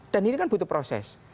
dan ini kan butuh proses